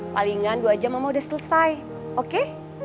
palingan dua jam mama udah selesai oke